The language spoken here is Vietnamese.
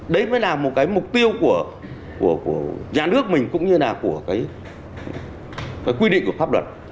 đấy mới là một cái mục tiêu của nhà nước mình cũng như là của cái quy định của pháp luật